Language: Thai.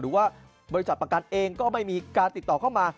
หรือว่าบริษัทประกันเองก็ไม่มีการติดต่อเข้ามา